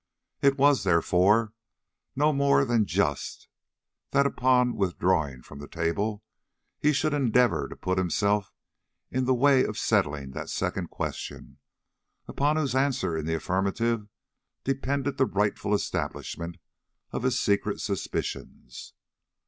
It was, therefore, no more than just, that, upon withdrawing from the table, he should endeavor to put himself in the way of settling that second question, upon whose answer in the affirmative depended the rightful establishment of his secret suspicions.